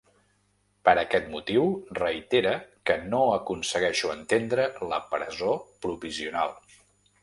Per aquest motiu reitera que ‘no aconsegueixo entendre’ la presó provisional.